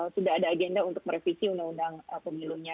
sudah ada agenda untuk merevisi undang undang pemilunya